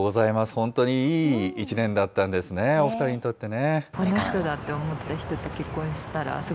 本当にいい１年だったんですね、お２人にとってね。